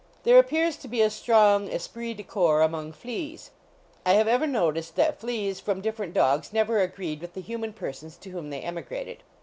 There appears to be a strong esprit dc corps among fleas. I have ever noticed that fleas from different dogs never agreed with the human persons to whom they emigrated.